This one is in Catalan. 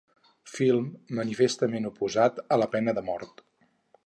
Film manifestament oposat a la pena de mort.